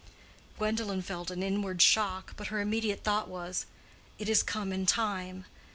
Gwendolen felt an inward shock, but her immediate thought was, "It is come in time."